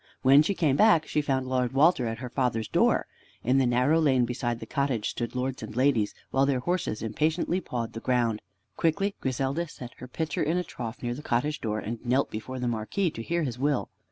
When she came back she found Lord Walter at her father's door. In the narrow lane beside the cottage stood lords and ladies, while their horses impatiently pawed the ground. Quickly Griselda set her pitcher in a trough near the cottage door, and knelt before the Marquis to hear his will.